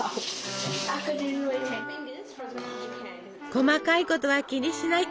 細かいことは気にしない！